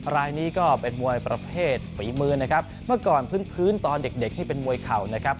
รายนี้ก็เป็นมวยประเภทฝีมือนะครับเมื่อก่อนพื้นตอนเด็กเด็กที่เป็นมวยเข่านะครับ